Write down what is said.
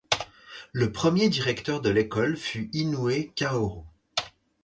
Le premier directeur de l'école fut Inoue Kaoru.